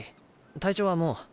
体調はもう。